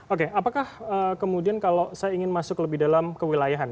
oke apakah kemudian kalau saya ingin masuk lebih dalam kewilayahan